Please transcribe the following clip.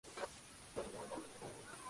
El estuche se carga mediante puerto Lightning.